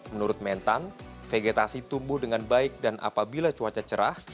menurut mentan vegetasi tumbuh dengan baik dan apabila cuaca cerah